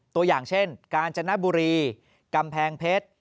ตัวอย่างเช่นกาญจนบุรีกำแพงเพชร